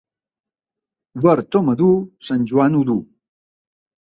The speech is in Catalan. Verd o madur, Sant Joan ho duu.